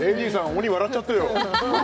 鬼わらっちゃってよ